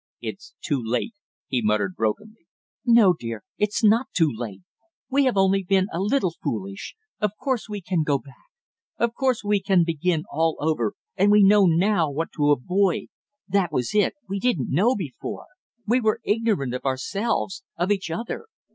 "It's too late " he muttered brokenly. "No, dear, it's not too late, we have only been a little foolish. Of course we can go back; of course we can begin all over, and we know now what to avoid; that was it, we didn't know before, we were ignorant of ourselves of each other.